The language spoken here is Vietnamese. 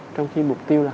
trong khi mục tiêu là